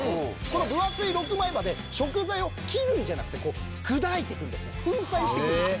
この分厚い６枚刃で食材を切るんじゃなくて砕いていくんです粉砕していくんです